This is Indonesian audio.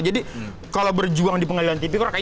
jadi kalau berjuang di pengadilan tipik